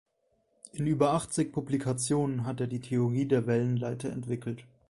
In über achtzig Publikationen hat er die Theorie der Wellenleiter entwickelt.